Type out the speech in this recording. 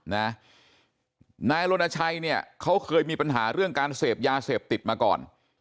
นายรณชัยเนี่ยเขาเคยมีปัญหาเรื่องการเสพยาเสพติดมาก่อน